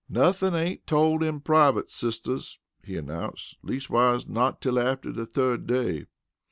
"Nothin' ain't told in privut, sisters," he announced. "Leastwise, not till after de third day."